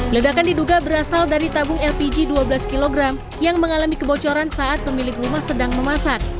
ledakan diduga berasal dari tabung lpg dua belas kg yang mengalami kebocoran saat pemilik rumah sedang memasak